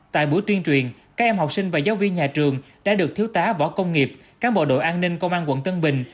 tại buổi tuyên truyền các em học sinh và giáo viên nhà trường đã được thiếu tá võ công nghiệp cán bộ đội an ninh công an quận tân bình